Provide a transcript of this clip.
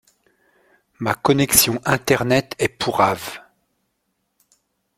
Ma connexion internet est pourrave.